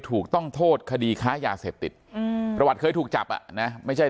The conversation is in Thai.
ถูกต้องโทษคดีค้ายาเสพติดประวัติเคยถูกจับอ่ะนะไม่ใช่